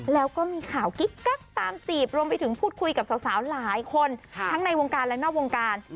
แล้วก็มีข่าวกิ๊กกักตามจีบรวมไปถึงพูดคุยกับสาวหลายคนทั้งในวงการและนอกวงการ